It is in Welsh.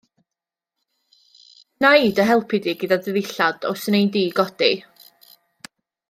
Wna i dy helpu di gyda dy ddillad os wnei di godi.